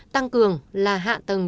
tăng cường là hạ tầng